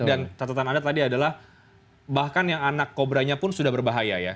dan catatan anda tadi adalah bahkan yang anak kobra nya pun sudah berbahaya ya